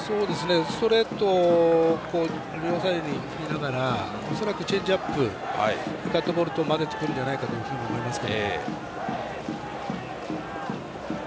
ストレートを両サイドに振りながら恐らく、チェンジアップとカットボールと交ぜてくるんじゃないかと思います。